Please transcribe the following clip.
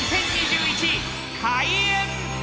開演